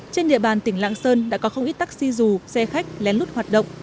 trên địa bàn tỉnh lạng sơn đã có không ít taxi dù xe khách lén lút hoạt động